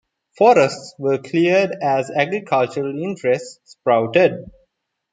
Forests were cleared as agricultural interests sprouted.